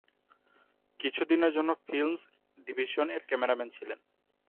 কিছুদিনের জন্য 'ফিল্মস ডিভিশন'-এর ক্যামেরাম্যান ছিলেন।